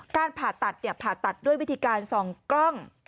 การผ่าตัดผ่าตัดด้วยวิธีการส่องกล้อง